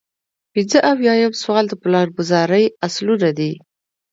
پنځه اویایم سوال د پلانګذارۍ اصلونه دي.